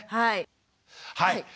はい。